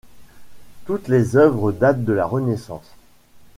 Toutes les œuvres datent de la Renaissance.